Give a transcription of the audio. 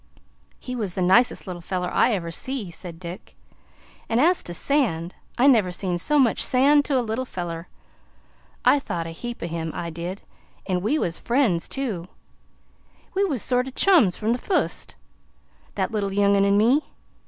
"He was the nicest little feller I ever see," said Dick. "An' as to sand I never seen so much sand to a little feller. I thought a heap o' him, I did, an' we was friends, too we was sort o' chums from the fust, that little young un an' me.